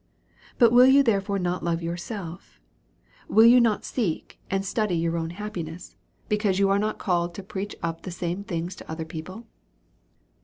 But will you therefore not love yourself? Will you liot seek apd study your own happiness, because yon DEVOUT AND HOLY LIFE5. 273 are not called to preach up the same things to other people?